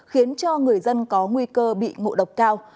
khiến cho người dân có nguy cơ bị ngộ độc cao